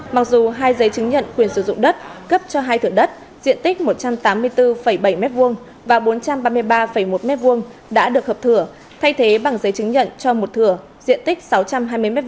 mặc dù hai giấy chứng nhận quyền sử dụng đất cấp cho hai thửa đất diện tích một trăm tám mươi bốn bảy m hai và bốn trăm ba mươi ba một m hai đã được hợp thửa thay thế bằng giấy chứng nhận cho một thừa diện tích sáu trăm hai mươi m hai